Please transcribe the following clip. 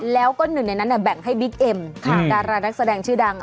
แล้วก็หนึ่งในนั้นแบ่งให้บิ๊กเอ็มดารานักแสดงชื่อดัง